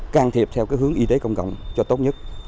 can thiệp theo hướng y tế công cộng cho tốt nhất